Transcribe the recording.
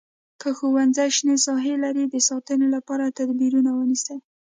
که ښوونځی شنه ساحه لري د ساتنې لپاره تدبیرونه ونیسئ.